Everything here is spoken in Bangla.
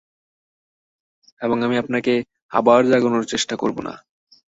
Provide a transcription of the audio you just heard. এবং আমি আপনাকে আবার জাগানোর চেষ্টা করব না।